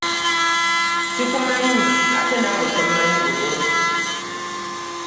Ssikumanyi ate naawe tommanyi bulungi.